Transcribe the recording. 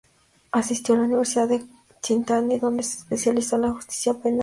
Asistió a la Universidad de Cincinnati, donde se especializó en la Justicia Penal.